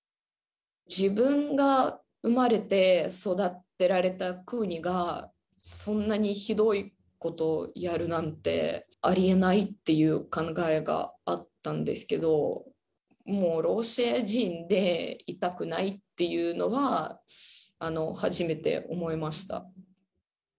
自分が生まれて育てられた国が、そんなにひどいことをやるなんて、ありえないっていう考えがあったんですけど、もうロシア人でいたくないっていうのは、初めて思いました。